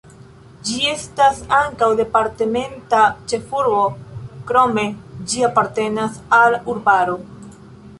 Ĝi estas ankaŭ departementa ĉefurbo, krome ĝi apartenas al urbaro.